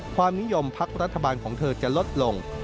ความนิยมพักรัฐบาลของเธอจะลดลง